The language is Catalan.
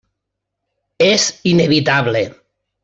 És inevitable.